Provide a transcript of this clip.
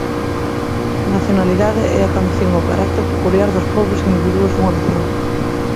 Nacionalidade é a condición ou carácter peculiar dos pobos e individuos dunha nación.